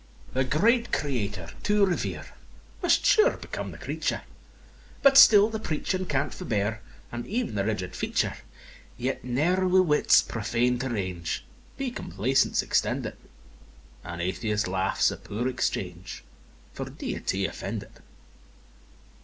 IX. The great Creator to revere Must sure become the creature; But still the preaching cant forbear, And ev'n the rigid feature: Yet ne'er with wits profane to range, Be complaisance extended; An Atheist laugh's a poor exchange For Deity offended!